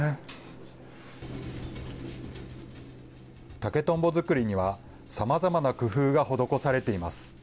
竹とんぼ作りにはさまざまな工夫が施されています。